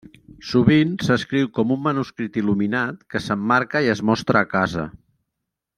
Sovint s'escriu com un manuscrit il·luminat que s'emmarca i es mostra a casa.